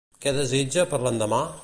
Què desitja per l'endemà?